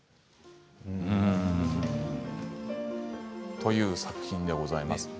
という作品でございます。